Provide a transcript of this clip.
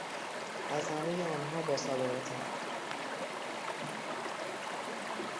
از همهی آنها با سابقهتر